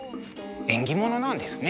縁起ものなんですね。